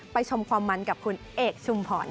ไปชมความมันกับคุณเอกชุมผอนค่ะ